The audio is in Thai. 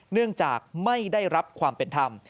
เนื่องจากไม่ได้รับความเป็นธรรม